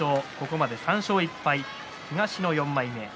ここまで３勝１敗、東の４枚目。